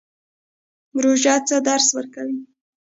روژه څه درس ورکوي؟